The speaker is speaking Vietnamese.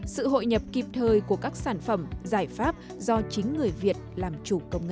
sự hội nhập kịp thời của các sản phẩm giải pháp do chính người việt làm chủ công nghệ